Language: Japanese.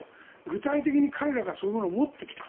具体的に彼らがそういうものを持ってきた。